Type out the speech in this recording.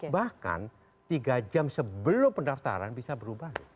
bahkan tiga jam sebelum pendaftaran bisa berubah